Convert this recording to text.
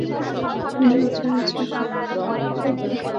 Dengue জ্বরে জ্বর আসার পাঁচ দিনের আগে প্লাটিলেট কমার কথা নয়।